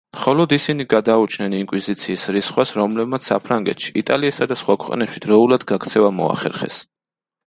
მხოლოდ ისინი გადაურჩნენ ინკვიზიციის რისხვას, რომლებმაც საფრანგეთში, იტალიასა და სხვა ქვეყნებში დროულად გაქცევა მოახერხეს.